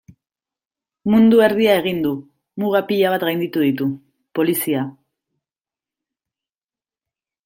Mundu erdia egin du, muga pila bat gainditu ditu, polizia...